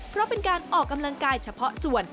เพราะเป็นการออกกำลังกายเฉพาะส่วน